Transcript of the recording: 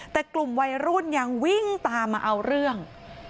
แต่กลุ่มวัยรุ่นยังวิ่งตามมาเอาเรื่อง